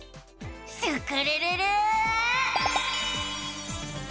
スクるるる！